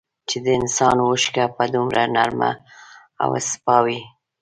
چي د انسان اوښکه به دومره نرمه او سپا وې